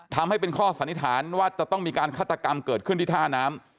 ทำให้เป็นข้อสันนิษฐานว่าจะต้องมีการฆาตกรรมเกิดขึ้นที่ท่าน้ำ